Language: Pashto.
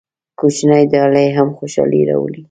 کوچنۍ ډالۍ هم خوشحالي راوړي.